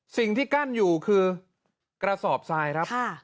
สิ่งที่กั้นอยู่คือกระสอบทรายครับ